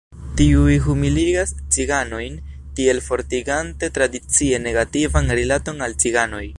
Tiuj humiligas ciganojn, tiel fortigante tradicie negativan rilaton al ciganoj.